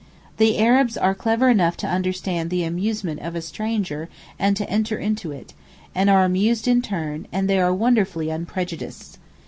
The Arabs are clever enough to understand the amusement of a stranger and to enter into it, and are amused in turn, and they are wonderfully unprejudiced.